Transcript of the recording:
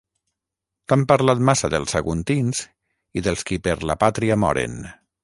T'han parlat massa dels saguntins i dels qui per la pàtria moren.